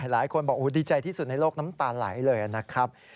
หลายคนบอกดีใจที่สุดในโลกน้ำตาไหลเลยนะครับ